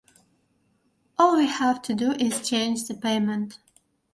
All we have to do is change the payment.